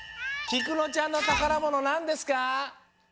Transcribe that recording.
きくのちゃんのたからものなんですか？